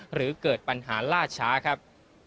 หรือเกิดปัญหาล่าช้าครับ